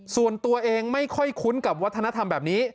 ส่วนตัวเองไม่ค่อยคุ้นกับวัฒนธรรมแบบนี้